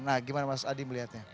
nah gimana mas adi melihatnya